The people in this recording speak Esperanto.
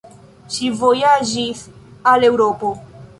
Ŝi vojaĝis al Eŭropo.